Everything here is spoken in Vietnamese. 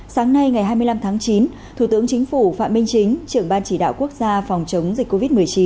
sáng nay ngày hai mươi năm tháng chín thủ tướng chính phủ phạm minh chính trưởng ban chỉ đạo quốc gia phòng chống dịch covid một mươi chín